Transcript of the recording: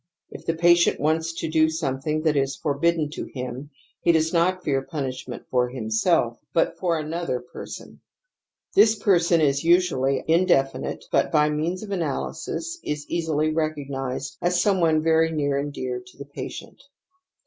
If the patient wants to do something that is for bidden to him he does not fear punishment for himself, but for another person. This person is usually indefinite, but, by means of analysis, is easily recognized as some one very near and dear <to the patient.